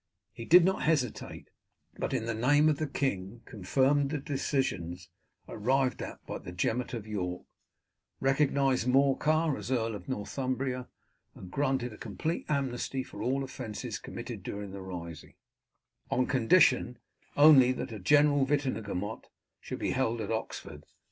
He did not hesitate, but in the name of the king confirmed the decisions arrived at by the Gemot of York recognized Morcar as Earl of Northumbria, and granted a complete amnesty for all offences committed during the rising, on condition only that a general Witenagemot should be held at Oxford.